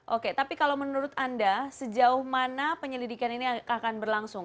oke tapi kalau menurut anda sejauh mana penyelidikan ini akan berlangsung